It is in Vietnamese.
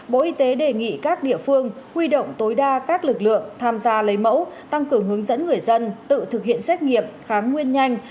bộ y tế đề nghị các địa phương huy động tối đa các lực lượng tham gia lấy mẫu tăng cường hướng dẫn người dân tự thực hiện xét nghiệm kháng nguyên nhanh